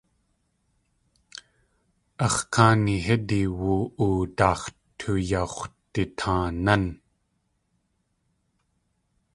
Ax̲ káani hídi woo.oo daax̲ tuyax̲wditaanán.